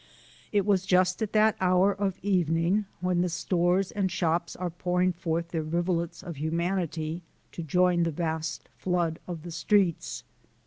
It was just at that hour of evening when the stores and shops are pouring forth their rivulets of humanity to join the vast flood of the streets.